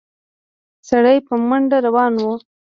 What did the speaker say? سړی په منډه روان و.